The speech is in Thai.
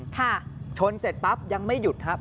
ชนเสร็จปั๊บยังไม่หยุดครับ